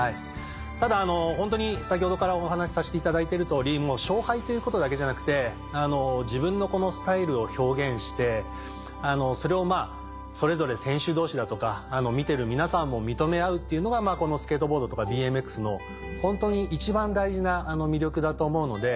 ただホントに先ほどからお話しさせていただいてる通り勝敗ということだけじゃなくて自分のスタイルを表現してそれをそれぞれ選手同士だとか見てる皆さんも認め合うっていうのがこのスケートボードとかＢＭＸのホントに一番大事な魅力だと思うので。